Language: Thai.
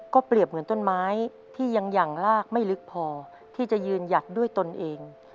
เปรียบเหมือนต้นไม้ที่ยังอย่างลากไม่ลึกพอที่จะยืนหยัดด้วยตนเอง